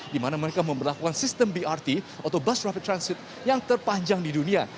karena mereka memperlakukan sistem brt atau bus rapid transit yang terpanjang di dunia